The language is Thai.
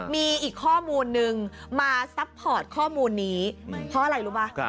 มีอีกข้อมูลนึงมาซัพพอร์ตข้อมูลนี้เพราะอะไรรู้ป่ะ